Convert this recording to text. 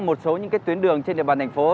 một số những tuyến đường trên địa bàn thành phố